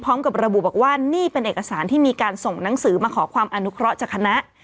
พร้อมกับระบุบอกว่านี่เป็นเอกสารที่มีการส่งหนังสือมาขอความอนุเคราะห์จากคณะ